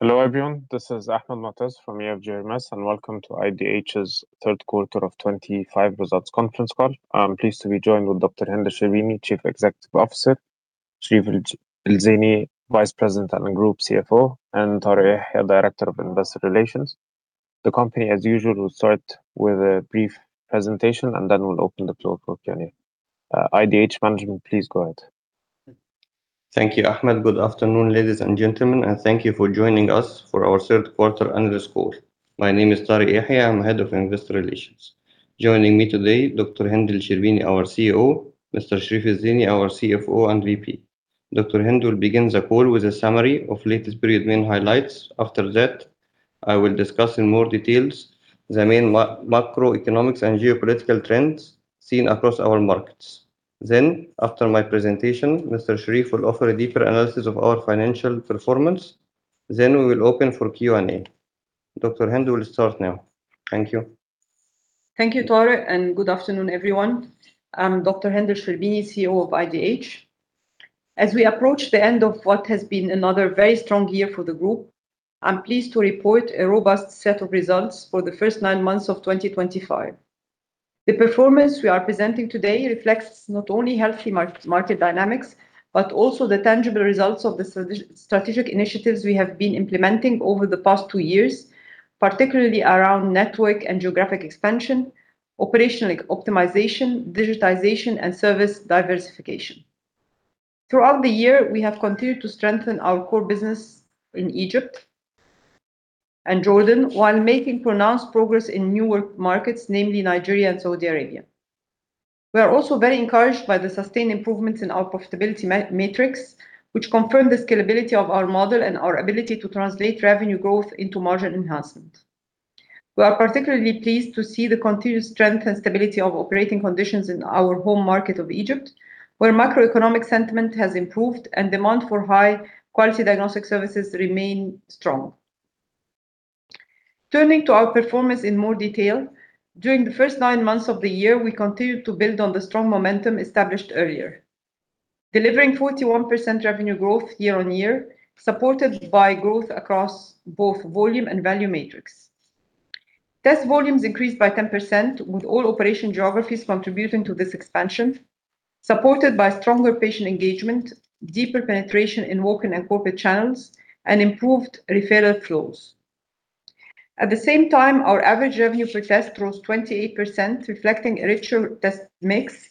Hello everyone, this is Ahmed Moataz from EFG Hermes, and welcome to IDH's third quarter of 2025 results conference call. I'm pleased to be joined with Dr. Hend El Sherbini, Chief Executive Officer; Sherif El Zeiny, Vice President and Group CFO; and Tarek Yehia, Director of Investor Relations. The company, as usual, will start with a brief presentation, and then we'll open the floor for Q&A. IDH Management, please go ahead. Thank you, Ahmed. Good afternoon, ladies and gentlemen, and thank you for joining us for our third quarter analyst call. My name is Tarek Yehia. I'm Head of Investor Relations. Joining me today, Dr. Hend El Sherbini, our CEO; Mr. Sherif El Zeiny, our CFO and VP. Dr. Hend will begin the call with a summary of latest period main highlights. After that, I will discuss in more detail the main macroeconomic and geopolitical trends seen across our markets. After my presentation, Mr. Sherif will offer a deeper analysis of our financial performance. We will open for Q&A. Dr. Hend will start now. Thank you. Thank you, Tarek, and good afternoon, everyone. I'm Dr. Hend El Sherbini, CEO of IDH. As we approach the end of what has been another very strong year for the group, I'm pleased to report a robust set of results for the first nine months of 2025. The performance we are presenting today reflects not only healthy market dynamics, but also the tangible results of the strategic initiatives we have been implementing over the past two years, particularly around network and geographic expansion, operational optimization, digitization, and service diversification. Throughout the year, we have continued to strengthen our core business in Egypt and Jordan while making pronounced progress in newer markets, namely Nigeria and Saudi Arabia. We are also very encouraged by the sustained improvements in our profitability matrix, which confirm the scalability of our model and our ability to translate revenue growth into margin enhancement. We are particularly pleased to see the continued strength and stability of operating conditions in our home market of Egypt, where macroeconomic sentiment has improved and demand for high-quality diagnostic services remains strong. Turning to our performance in more detail, during the first nine months of the year, we continue to build on the strong momentum established earlier, delivering 41% revenue growth year-on-year, supported by growth across both volume and value matrix. Test volumes increased by 10%, with all operation geographies contributing to this expansion, supported by stronger patient engagement, deeper penetration in walk-in and corporate channels, and improved referral flows. At the same time, our average revenue per test rose 28%, reflecting a richer test mix,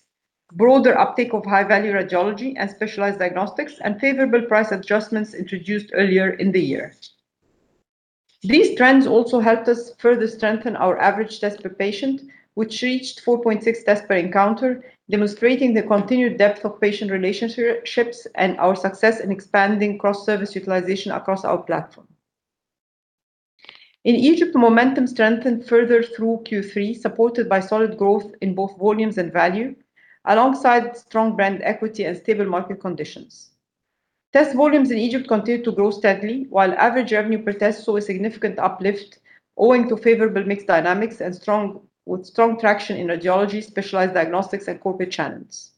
broader uptake of high-value radiology and specialized diagnostics, and favorable price adjustments introduced earlier in the year. These trends also helped us further strengthen our average test per patient, which reached 4.6 tests per encounter, demonstrating the continued depth of patient relationships and our success in expanding cross-service utilization across our platform. In Egypt, momentum strengthened further through Q3, supported by solid growth in both volumes and value, alongside strong brand equity and stable market conditions. Test volumes in Egypt continue to grow steadily, while average revenue per test saw a significant uplift, owing to favorable mixed dynamics and strong traction in radiology, specialized diagnostics, and corporate channels.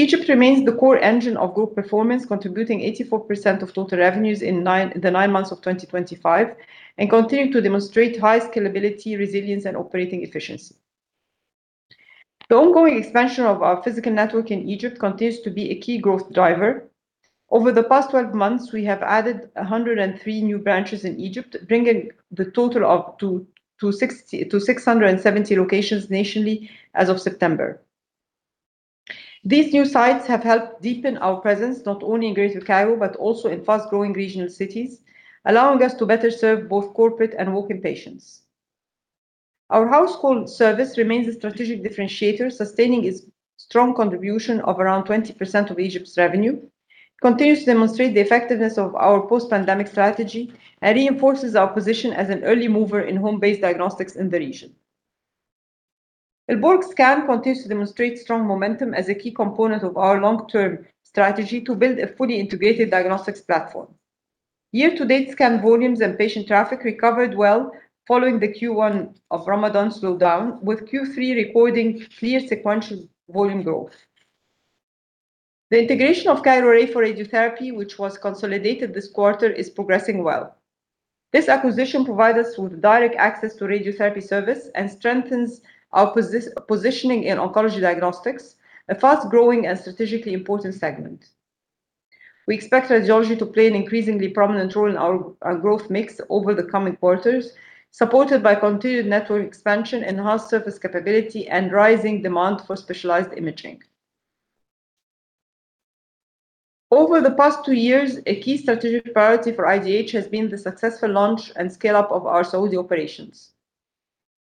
Egypt remains the core engine of group performance, contributing 84% of total revenues in the nine months of 2025 and continuing to demonstrate high scalability, resilience, and operating efficiency. The ongoing expansion of our physical network in Egypt continues to be a key growth driver. Over the past 12 months, we have added 103 new branches in Egypt, bringing the total up to 670 locations nationally as of September. These new sites have helped deepen our presence not only in Greater Cairo but also in fast-growing regional cities, allowing us to better serve both corporate and walk-in patients. Our house call service remains a strategic differentiator, sustaining its strong contribution of around 20% of Egypt's revenue, continues to demonstrate the effectiveness of our post-pandemic strategy, and reinforces our position as an early mover in home-based diagnostics in the region. Al Borg Scan continues to demonstrate strong momentum as a key component of our long-term strategy to build a fully integrated diagnostics platform. Year-to-date scan volumes and patient traffic recovered well following the Q1 of Ramadan slowdown, with Q3 recording clear sequential volume growth. The integration of CAIRO RAY for radiotherapy, which was consolidated this quarter, is progressing well. This acquisition provides us with direct access to radiotherapy service and strengthens our positioning in oncology diagnostics, a fast-growing and strategically important segment. We expect radiology to play an increasingly prominent role in our growth mix over the coming quarters, supported by continued network expansion, enhanced service capability, and rising demand for specialized imaging. Over the past two years, a key strategic priority for IDH has been the successful launch and scale-up of our Saudi operations.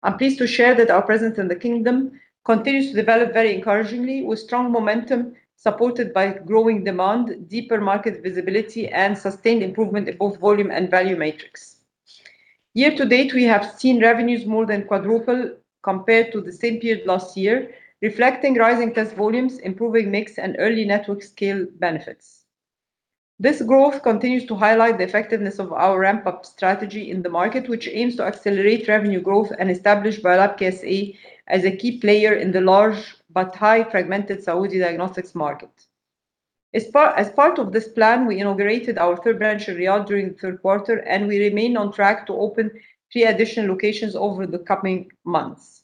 I'm pleased to share that our presence in the Kingdom continues to develop very encouragingly, with strong momentum supported by growing demand, deeper market visibility, and sustained improvement in both volume and value matrix. Year-to-date, we have seen revenues more than quadruple compared to the same period last year, reflecting rising test volumes, improving mix, and early network scale benefits. This growth continues to highlight the effectiveness of our ramp-up strategy in the market, which aims to accelerate revenue growth and establish Biolab KSA as a key player in the large but highly fragmented Saudi diagnostics market. As part of this plan, we inaugurated our third branch in Riyadh during the third quarter, and we remain on track to open three additional locations over the coming months.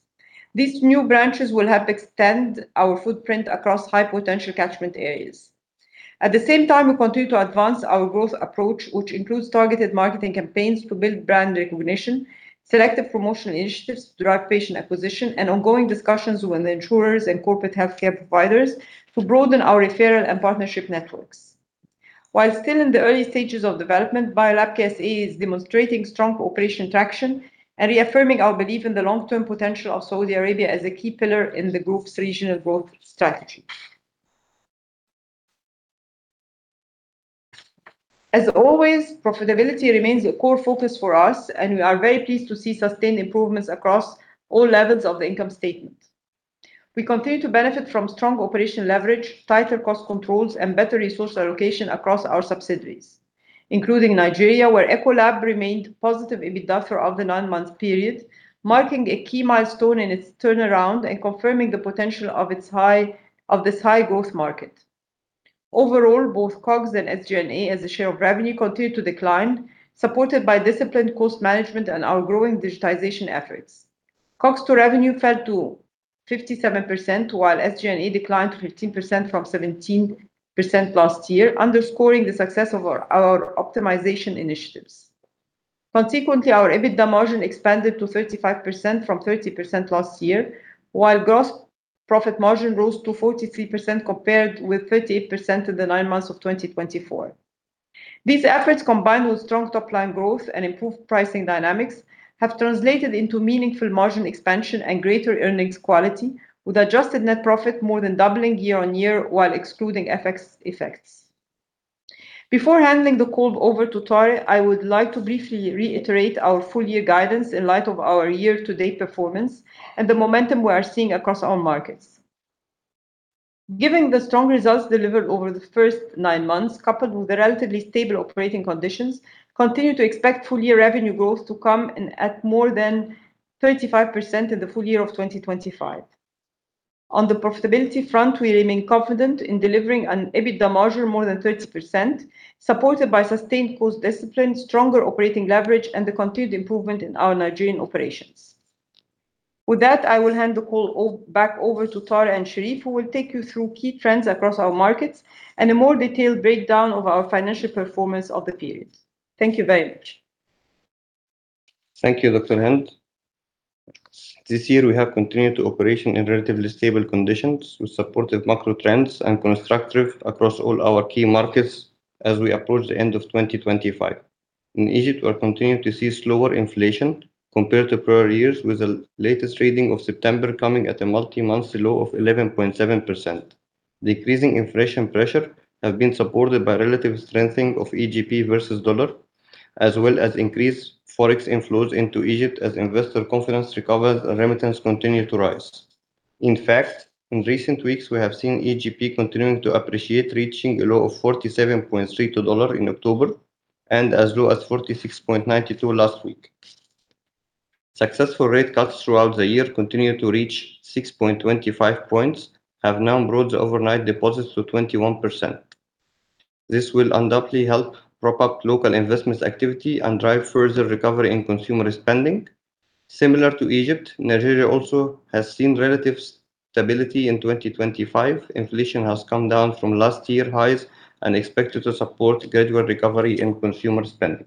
These new branches will help extend our footprint across high-potential catchment areas. At the same time, we continue to advance our growth approach, which includes targeted marketing campaigns to build brand recognition, selective promotional initiatives to drive patient acquisition, and ongoing discussions with insurers and corporate healthcare providers to broaden our referral and partnership networks. While still in the early stages of development, Biolab KSA is demonstrating strong operational traction and reaffirming our belief in the long-term potential of Saudi Arabia as a key pillar in the group's regional growth strategy. As always, profitability remains a core focus for us, and we are very pleased to see sustained improvements across all levels of the income statement. We continue to benefit from strong operational leverage, tighter cost controls, and better resource allocation across our subsidiaries, including Nigeria, where Ecolab remained positive EBITDA throughout the nine-month period, marking a key milestone in its turnaround and confirming the potential of this high-growth market. Overall, both COGS and SG&A as a share of revenue continue to decline, supported by disciplined cost management and our growing digitization efforts. COGS to revenue fell to 57%, while SG&A declined to 15% from 17% last year, underscoring the success of our optimization initiatives. Consequently, our EBITDA margin expanded to 35% from 30% last year, while gross profit margin rose to 43% compared with 38% in the nine months of 2024. These efforts, combined with strong top-line growth and improved pricing dynamics, have translated into meaningful margin expansion and greater earnings quality, with adjusted net profit more than doubling year-on-year while excluding FX effects. Before handing the call over to Tarek, I would like to briefly reiterate our full-year guidance in light of our year-to-date performance and the momentum we are seeing across our markets. Given the strong results delivered over the first nine months, coupled with the relatively stable operating conditions, we continue to expect full-year revenue growth to come at more than 35% in the full year of 2025. On the profitability front, we remain confident in delivering an EBITDA margin of more than 30%, supported by sustained cost discipline, stronger operating leverage, and the continued improvement in our Nigerian operations. With that, I will hand the call back over to Tarek and Sherif, who will take you through key trends across our markets and a more detailed breakdown of our financial performance of the period. Thank you very much. Thank you, Dr. Hend El Sherbini. This year, we have continued operations in relatively stable conditions, with supportive macro trends and constructive across all our key markets as we approach the end of 2025. In Egypt, we are continuing to see slower inflation compared to prior years, with the latest reading of September coming at a multi-month low of 11.7%. Decreasing inflation pressures have been supported by relative strengthening of EGP versus dollar, as well as increased forex inflows into Egypt as investor confidence recovers and remittance continues to rise. In fact, in recent weeks, we have seen EGP continue to appreciate, reaching a low of 47.32 per dollar in October and as low as 46.92 last week. Successful rate cuts throughout the year continue to reach 6.25 percentage points, having now brought the overnight deposits to 21%. This will undoubtedly help prop up local investment activity and drive further recovery in consumer spending. Similar to Egypt, Nigeria also has seen relative stability in 2025. Inflation has come down from last year's highs and is expected to support gradual recovery in consumer spending.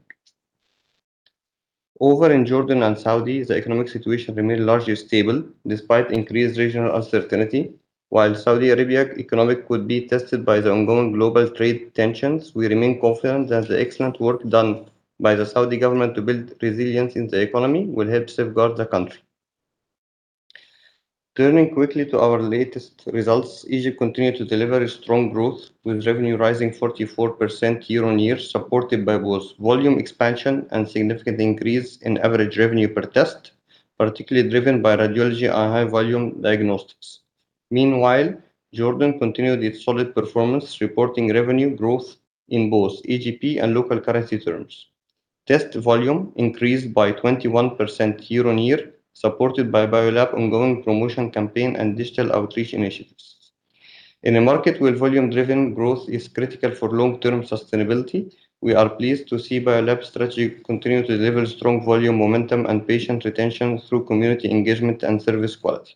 Over in Jordan and Saudi, the economic situation remains largely stable despite increased regional uncertainty. While Saudi Arabia's economy could be tested by the ongoing global trade tensions, we remain confident that the excellent work done by the Saudi government to build resilience in the economy will help safeguard the country. Turning quickly to our latest results, Egypt continues to deliver strong growth, with revenue rising 44% year-on-year, supported by both volume expansion and significant increase in average revenue per test, particularly driven by radiology and high-volume diagnostics. Meanwhile, Jordan continued its solid performance, reporting revenue growth in both EGP and local currency terms. Test volume increased by 21% year-on-year, supported by Biolab's ongoing promotion campaign and digital outreach initiatives. In a market where volume-driven growth is critical for long-term sustainability, we are pleased to see Biolab's strategy continue to deliver strong volume momentum and patient retention through community engagement and service quality.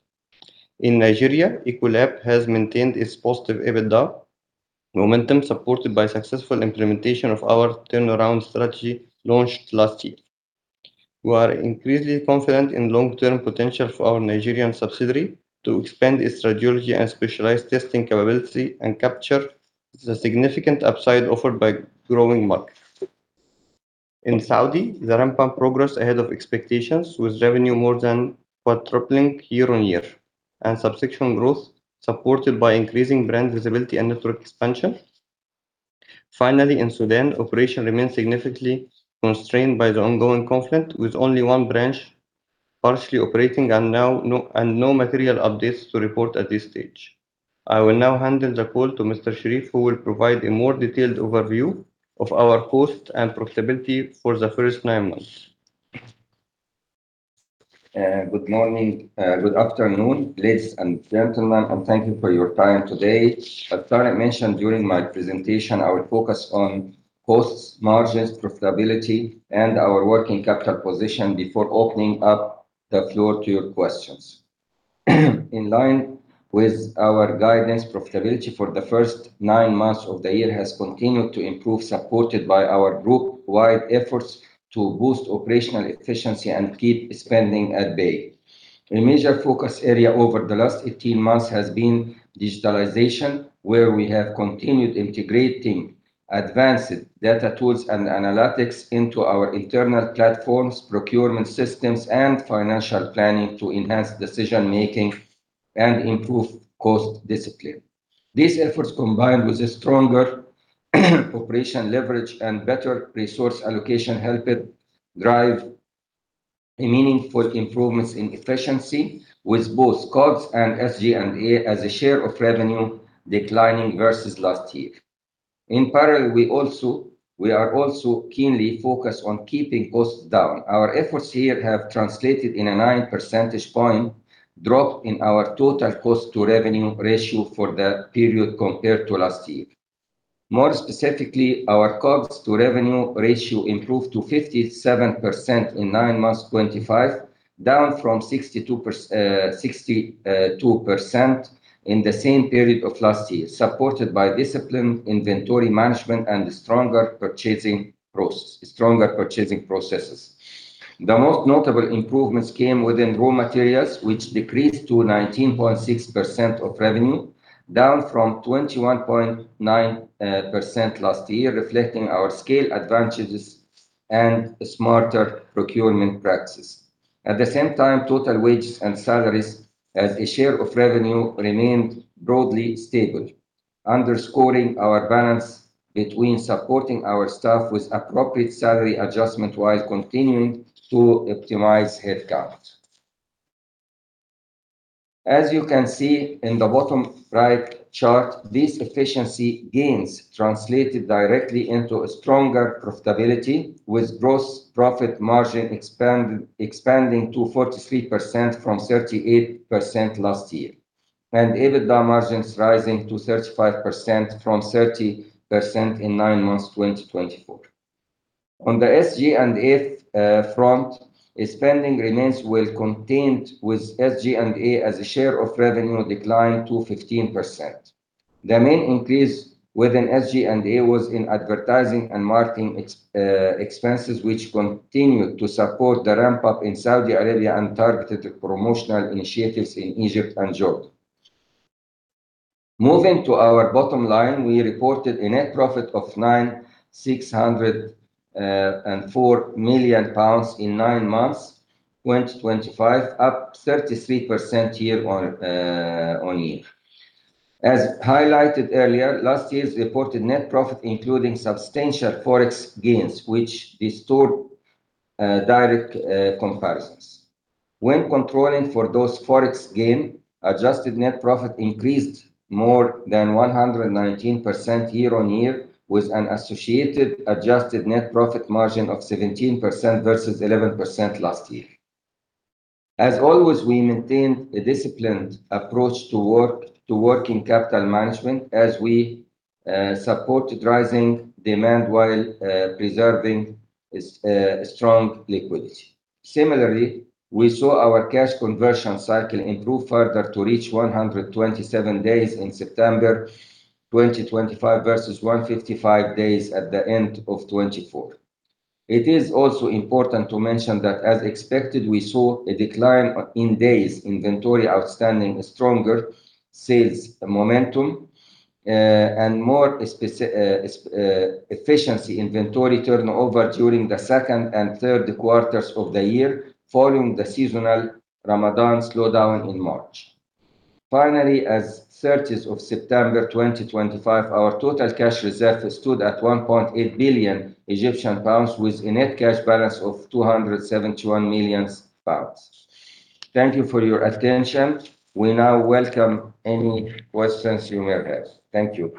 In Nigeria, Ecolab has maintained its positive EBITDA momentum, supported by successful implementation of our turnaround strategy launched last year. We are increasingly confident in the long-term potential for our Nigerian subsidiary to expand its radiology and specialized testing capability and capture the significant upside offered by growing markets. In Saudi, the ramp-up progressed ahead of expectations, with revenue more than quadrupling year-on-year and subsection growth, supported by increasing brand visibility and network expansion. Finally, in Sudan, operations remain significantly constrained by the ongoing conflict, with only one branch partially operating and no material updates to report at this stage. I will now hand the call to Mr. Sherif, who will provide a more detailed overview of our cost and profitability for the first nine months. Good morning, good afternoon, ladies and gentlemen, and thank you for your time today. As Tarek mentioned during my presentation, I will focus on costs, margins, profitability, and our working capital position before opening up the floor to your questions. In line with our guidance, profitability for the first nine months of the year has continued to improve, supported by our group-wide efforts to boost operational efficiency and keep spending at bay. A major focus area over the last 18 months has been digitalization, where we have continued integrating advanced data tools and analytics into our internal platforms, procurement systems, and financial planning to enhance decision-making and improve cost discipline. These efforts, combined with stronger operational leverage and better resource allocation, help drive meaningful improvements in efficiency, with both COGS and SG&A as a share of revenue declining versus last year. In parallel, we are also keenly focused on keeping costs down. Our efforts here have translated in a 9 percentage point drop in our total cost-to-revenue ratio for the period compared to last year. More specifically, our cost-to-revenue ratio improved to 57% in nine months 2025, down from 62% in the same period of last year, supported by disciplined inventory management and stronger purchasing processes. The most notable improvements came within raw materials, which decreased to 19.6% of revenue, down from 21.9% last year, reflecting our scale advantages and smarter procurement practices. At the same time, total wages and salaries as a share of revenue remained broadly stable, underscoring our balance between supporting our staff with appropriate salary adjustment while continuing to optimize headcount. As you can see in the bottom right chart, these efficiency gains translated directly into stronger profitability, with gross profit margin expanding to 43% from 38% last year and EBITDA margins rising to 35% from 30% in nine months 2024. On the SG&A front, spending remains well contained, with SG&A as a share of revenue declining to 15%. The main increase within SG&A was in advertising and marketing expenses, which continued to support the ramp-up in Saudi Arabia and targeted promotional initiatives in Egypt and Jordan. Moving to our bottom line, we reported a net profit of 9,604 million pounds in nine months 2025, up 33% year-on-year. As highlighted earlier, last year's reported net profit included substantial forex gains, which distort direct comparisons. When controlling for those forex gains, adjusted net profit increased more than 119% year-on-year, with an associated adjusted net profit margin of 17% versus 11% last year. As always, we maintained a disciplined approach to working capital management as we supported rising demand while preserving strong liquidity. Similarly, we saw our cash conversion cycle improve further to reach 127 days in September 2025 versus 155 days at the end of 2024. It is also important to mention that, as expected, we saw a decline in days inventory outstanding, stronger sales momentum, and more efficient inventory turnover during the second and third quarters of the year, following the seasonal Ramadan slowdown in March. Finally, as of 30 September 2025, our total cash reserve stood at 1.8 billion Egyptian pounds, with a net cash balance of 271 million pounds. Thank you for your attention. We now welcome any questions you may have. Thank you.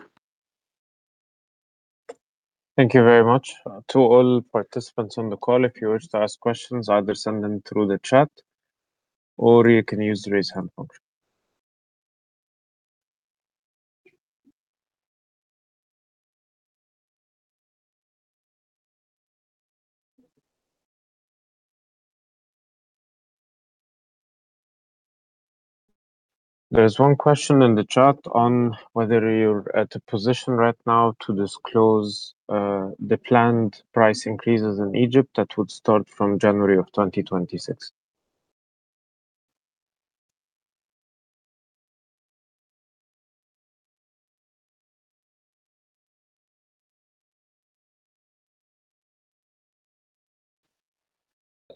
Thank you very much to all participants on the call. If you wish to ask questions, either send them through the chat or you can use the raise hand function. There is one question in the chat on whether you're at a position right now to disclose the planned price increases in Egypt that would start from January of 2026.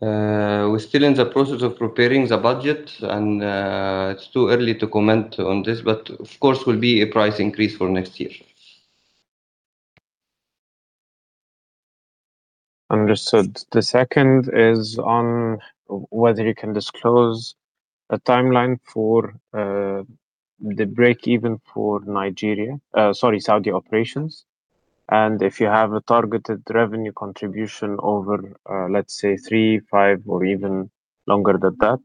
We're still in the process of preparing the budget, and it's too early to comment on this, but of course, there will be a price increase for next year. Understood. The second is on whether you can disclose a timeline for the break-even for Nigeria, sorry, Saudi operations, and if you have a targeted revenue contribution over, let's say, three, five, or even longer than that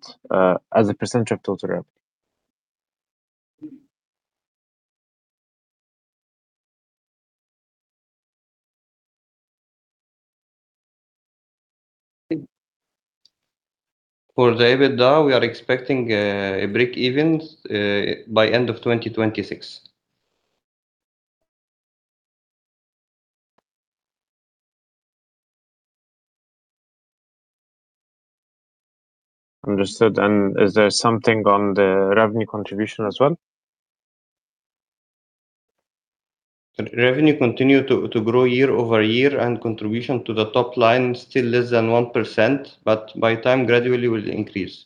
as a percentage of total revenue. For the EBITDA, we are expecting a break-even by the end of 2026. Understood. Is there something on the revenue contribution as well? Revenue continues to grow year-over-year, and contribution to the top line is still less than 1%, but by time, gradually will increase.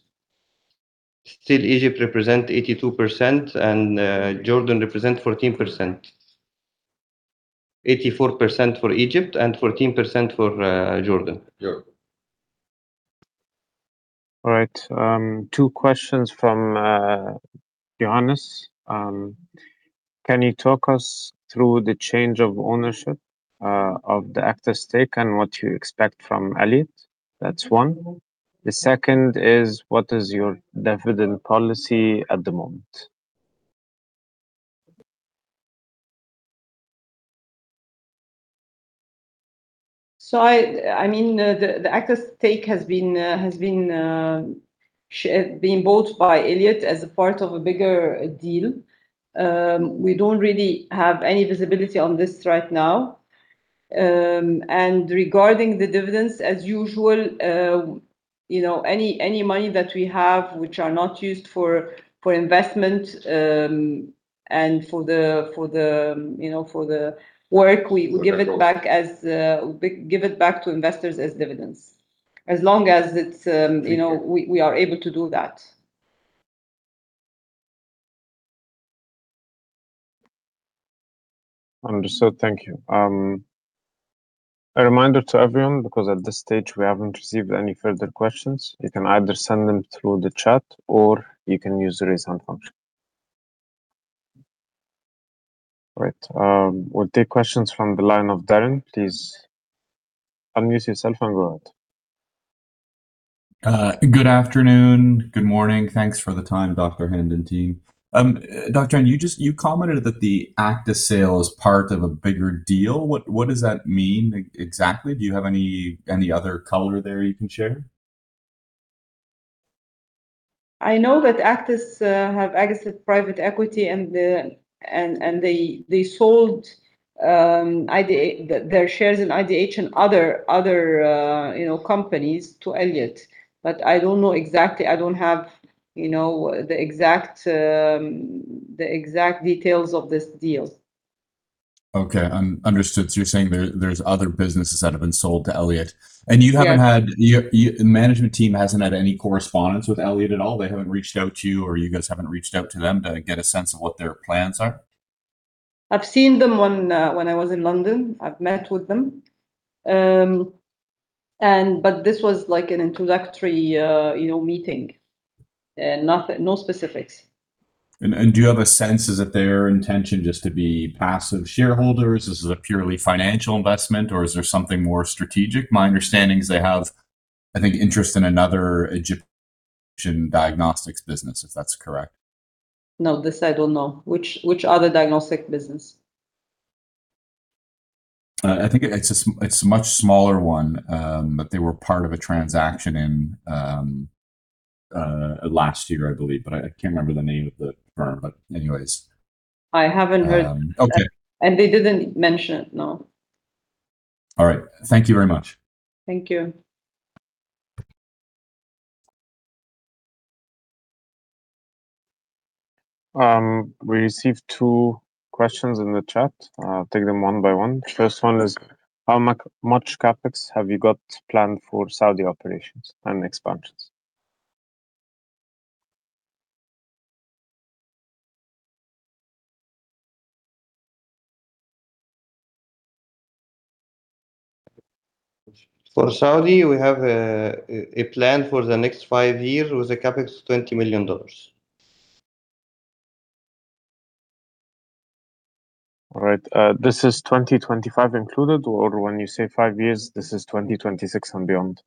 Still, Egypt represents 82%, and Jordan represents 14%. 84% for Egypt and 14% for Jordan. All right. Two questions from Johannes. Can you talk us through the change of ownership of the Actis stake and what you expect from Elliott? That's one. The second is, what is your dividend policy at the moment? I mean, the active stake has been bought by Elliott as a part of a bigger deal. We do not really have any visibility on this right now. Regarding the dividends, as usual, any money that we have, which are not used for investment and for the work, we give it back to investors as dividends, as long as we are able to do that. Understood. Thank you. A reminder to everyone, because at this stage, we have not received any further questions. You can either send them through the chat or you can use the raise hand function. All right. We will take questions from the line of Daren. Please unmute yourself and go ahead. Good afternoon. Good morning. Thanks for the time, Dr. Hend and team. Dr. Hend, you commented that the Actis sale is part of a bigger deal. What does that mean exactly? Do you have any other color there you can share? I know that Actis have exited private equity, and they sold their shares in IDH and other companies to Elliott, but I don't know exactly. I don't have the exact details of this deal. Okay. Understood. You are saying there are other businesses that have been sold to Elliott. You have not had—management team has not had any correspondence with Elliott at all? They have not reached out to you, or you guys have not reached out to them to get a sense of what their plans are? I've seen them when I was in London. I've met with them. This was like an introductory meeting, no specifics. Do you have a sense? Is it their intention just to be passive shareholders? Is it a purely financial investment, or is there something more strategic? My understanding is they have, I think, interest in another Egyptian diagnostics business, if that's correct. No, this I don't know. Which other diagnostic business? I think it's a much smaller one, but they were part of a transaction last year, I believe. I can't remember the name of the firm, but anyways. I haven't heard. Okay. They didn't mention it, no. All right. Thank you very much. Thank you. We received two questions in the chat. I'll take them one by one. The first one is, how much CapEx have you got planned for Saudi operations and expansions? For Saudi, we have a plan for the next five years with a CapEx of $20 million. All right. This is 2025 included, or when you say five years, this is 2026 and beyond?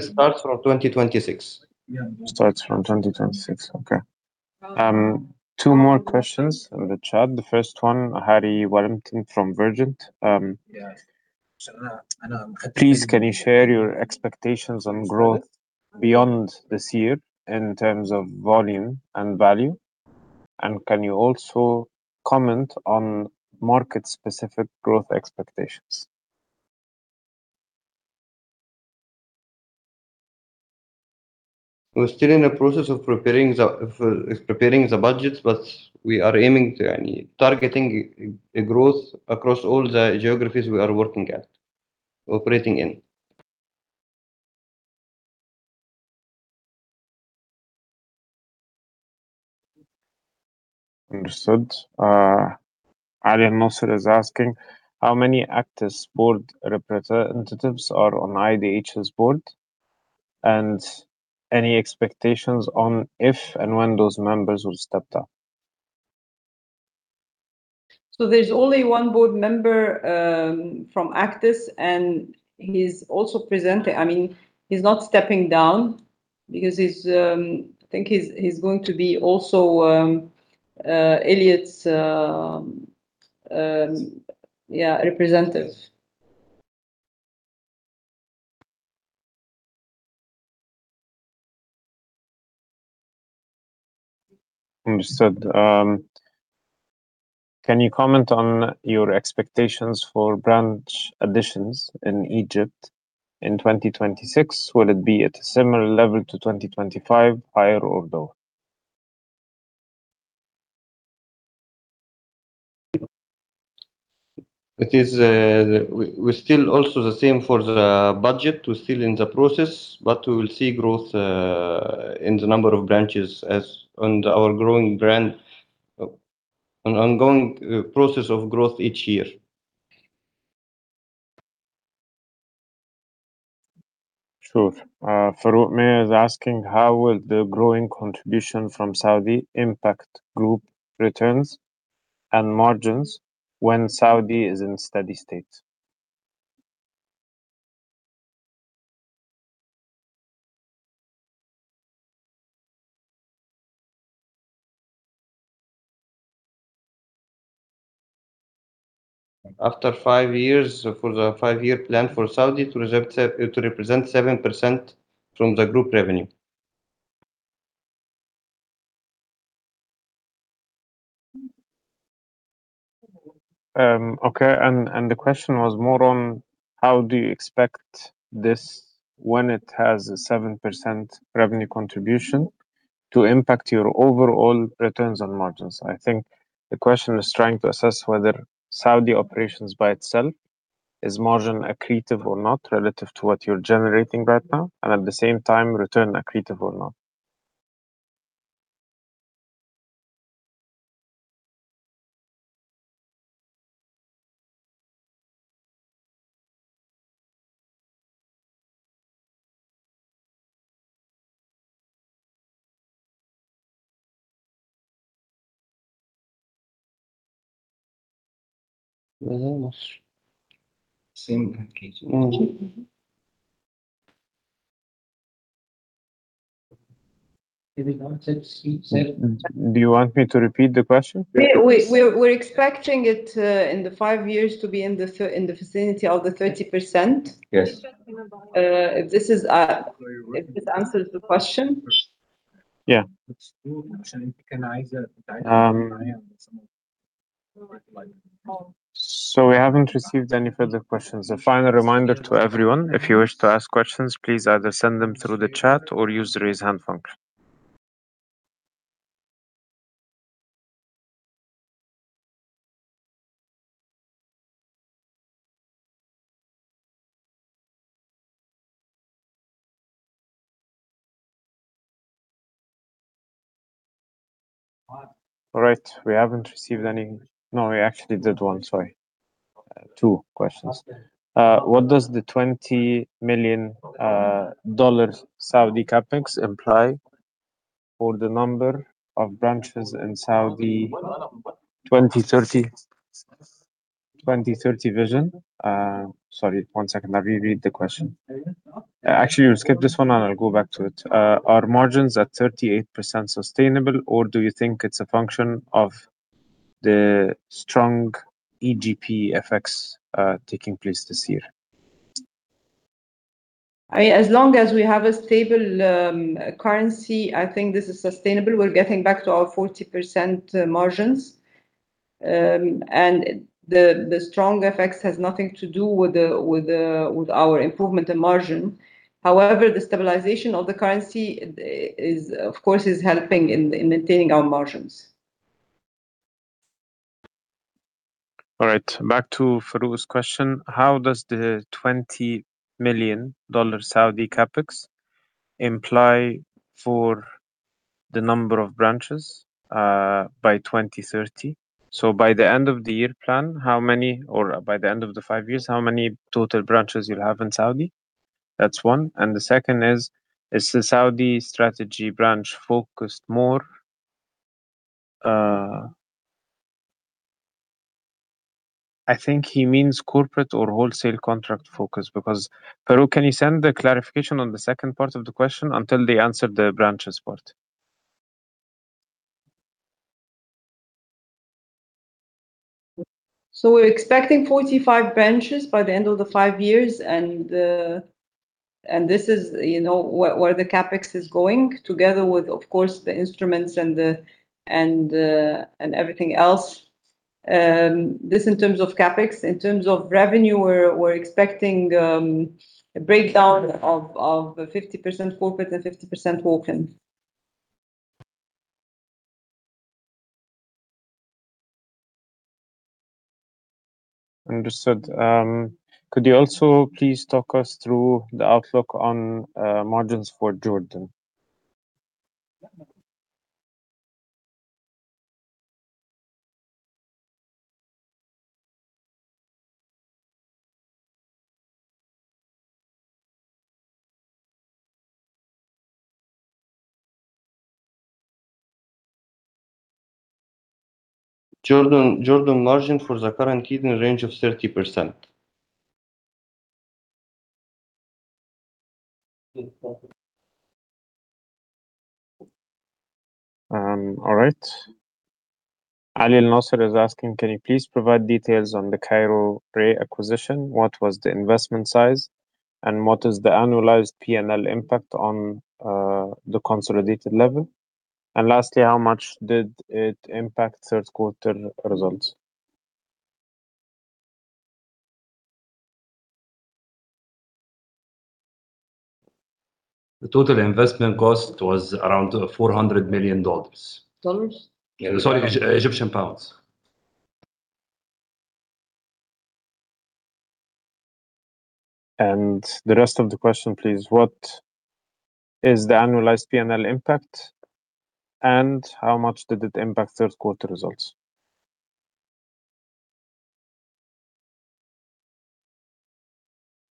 Starts from 2026. Starts from 2026. Okay. Two more questions in the chat. The first one, Harry Wellington from Vergent. Yes. Please, can you share your expectations on growth beyond this year in terms of volume and value? Can you also comment on market-specific growth expectations? We're still in the process of preparing the budgets, but we are aiming to target a growth across all the geographies we are working at, operating in. Understood. Ali Nosser is asking, how many Actis board representatives are on IDH's board? Any expectations on if and when those members will step down? There is only one board member from Actis, and he's also presenting. I mean, he's not stepping down because I think he's going to be also Elliott's, yeah, representative. Understood. Can you comment on your expectations for branch additions in Egypt in 2026? Will it be at a similar level to 2025, higher or lower? We're still also the same for the budget. We're still in the process, but we will see growth in the number of branches and our growing brand, an ongoing process of growth each year. Sure. Faroukh Meir is asking, how will the growing contribution from Saudi impact group returns and margins when Saudi is in steady state? After five years, for the five-year plan for Saudi, it represents 7% from the group revenue. Okay. The question was more on how do you expect this, when it has a 7% revenue contribution, to impact your overall returns and margins? I think the question is trying to assess whether Saudi operations by itself is margin accretive or not relative to what you're generating right now, and at the same time, return accretive or not. Same accretive. Do you want me to repeat the question? We're expecting it in the five years to be in the vicinity of 30%. If this answers the question. Yeah. We haven't received any further questions. A final reminder to everyone, if you wish to ask questions, please either send them through the chat or use the raise hand function. All right. We haven't received any—no, we actually did get one, sorry. Two questions. What does the $20 million Saudi CapEx imply for the number of branches in Saudi 2030 vision? Sorry, one second. I'll reread the question. Actually, we skipped this one, and I'll go back to it. Are margins at 38% sustainable, or do you think it's a function of the strong EGP effects taking place this year? I mean, as long as we have a stable currency, I think this is sustainable. We're getting back to our 40% margins. The strong effects have nothing to do with our improvement in margin. However, the stabilization of the currency, of course, is helping in maintaining our margins. All right. Back to Faroukh's question. How does the $20 million Saudi CapEx imply for the number of branches by 2030? By the end of the year plan, how many—or by the end of the five years—how many total branches you'll have in Saudi? That's one. The second is, is the Saudi strategy branch focused more? I think he means corporate or wholesale contract focus. Faroukh, can you send the clarification on the second part of the question until they answer the branches part? We're expecting 45 branches by the end of the five years. This is where the CapEx is going, together with, of course, the instruments and everything else. This in terms of CapEx. In terms of revenue, we're expecting a breakdown of 50% corporate and 50% working. Understood. Could you also please talk us through the outlook on margins for Jordan? Jordan margin for the current year is in the range of 30%. All right. Ali Nosser is asking, can you please provide details on the CAIRO RAY acquisition? What was the investment size? What is the annualized P&L impact on the consolidated level? Lastly, how much did it impact third-quarter results? The total investment cost was around $400 million. Dollars? Yeah, sorry, EGP. The rest of the question, please. What is the annualized P&L impact? And how much did it impact third-quarter results?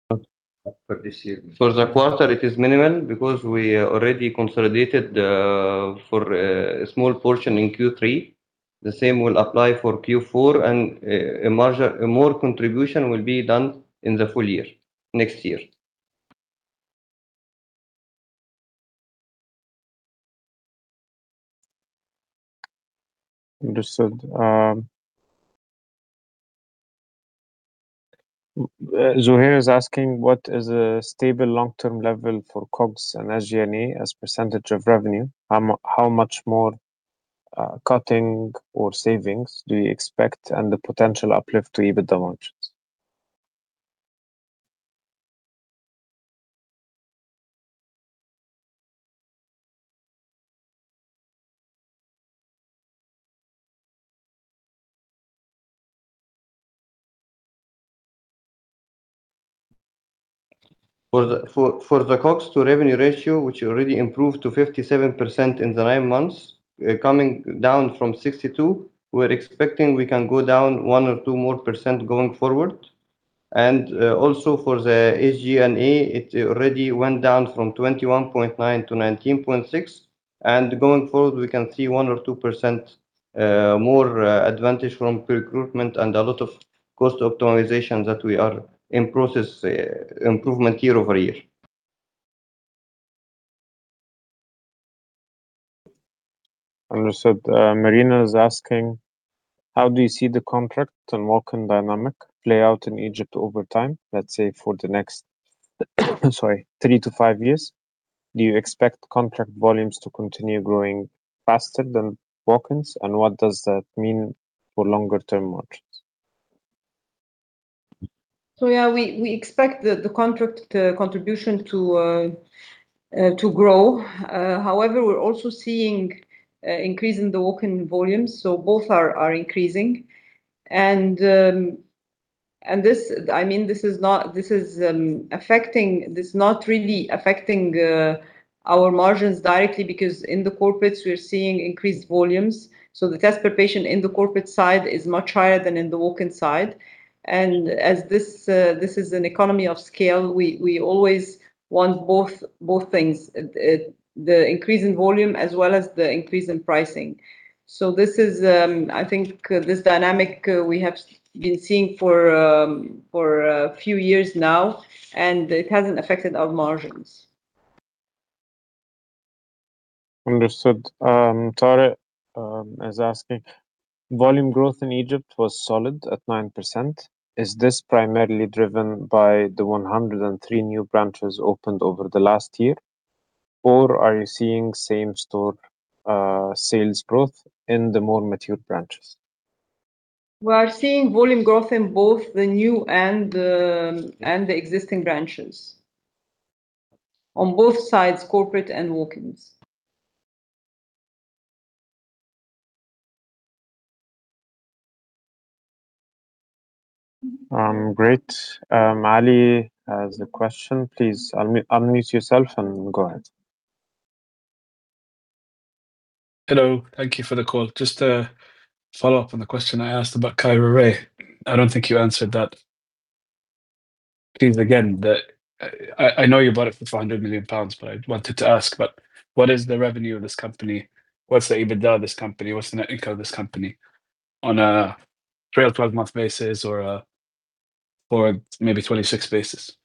For the quarter, it is minimal because we already consolidated for a small portion in Q3. The same will apply for Q4, and a more contribution will be done in the full year next year. Understood. Zohir is asking, what is a stable long-term level for COGS and SG&A as percentage of revenue? How much more cutting or savings do you expect and the potential uplift to even the margins? For the COGS to revenue ratio, which already improved to 57% in the nine months, coming down from 62%, we are expecting we can go down one or two more percent going forward. Also for the SG&A, it already went down from 21.9% to 19.6%. Going forward, we can see one or two percent more advantage from recruitment and a lot of cost optimizations that we are in process improvement year-over-year. Understood. Marina is asking, how do you see the contract and working dynamic play out in Egypt over time? Let's say for the next, sorry, three to five years, do you expect contract volumes to continue growing faster than workings? And what does that mean for longer-term margins? Yeah, we expect the contract contribution to grow. However, we're also seeing an increase in the working volumes. Both are increasing. I mean, this is not really affecting our margins directly because in the corporates, we're seeing increased volumes. The test per patient in the corporate side is much higher than in the working side. As this is an economy of scale, we always want both things: the increase in volume as well as the increase in pricing. I think this dynamic we have been seeing for a few years now, and it hasn't affected our margins. Understood. Tarek is asking, volume growth in Egypt was solid at 9%. Is this primarily driven by the 103 new branches opened over the last year? Or are you seeing same-store sales growth in the more mature branches? We are seeing volume growth in both the new and the existing branches, on both sides, corporate and workings. Great. Ali has a question. Please unmute yourself and go ahead. Hello. Thank you for the call. Just to follow up on the question I asked about Cairo RAY. I do not think you answered that. Please, again, I know you bought it for 400 million pounds, but I wanted to ask, what is the revenue of this company? What is the EBITDA of this company? What is the net income of this company on a 12-month basis or maybe 26 basis?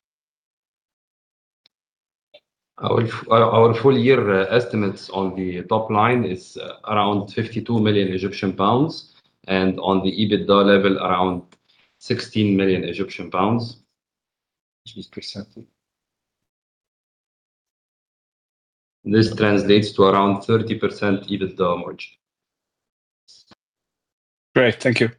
Our full-year estimates on the top line is around 52 million Egyptian pounds and on the EBITDA level, around GBP 16 million. This translates to around 30% EBITDA margin. Great. Thank you.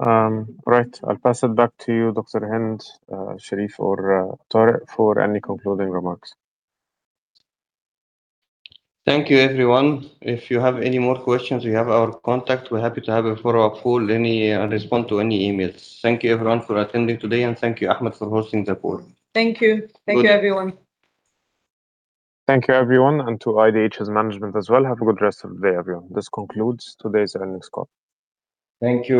All right. I'll pass it back to you, Dr. Hend, Sherif, or Tarek, for any concluding remarks. Thank you, everyone. If you have any more questions, you have our contact. We're happy to have a follow-up call and respond to any emails. Thank you, everyone, for attending today, and thank you, Ahmed, for hosting the call. Thank you. Thank you, everyone. Thank you, everyone, and to IDH's management as well. Have a good rest of the day, everyone. This concludes today's earnings call. Thank you.